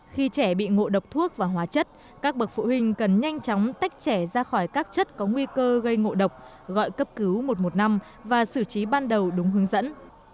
khi trẻ bị ngộ độc thuốc và hóa chất các bậc phụ huynh cần nhanh chóng tách trẻ ra khỏi các chất có nguy cơ gây ngộ độc gọi cấp cứu một trăm một mươi năm và xử trí ban đầu đúng hướng dẫn